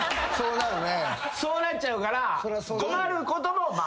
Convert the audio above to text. そうなっちゃうから困ることも。